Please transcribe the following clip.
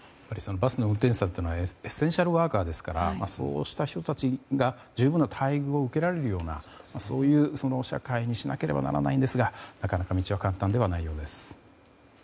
バス運転手さんというのはエッセンシャルワーカーですからそうした人たちが十分な待遇を受けられるようなそういう社会にしなければならないんですがなかなか道は簡単ではないようです。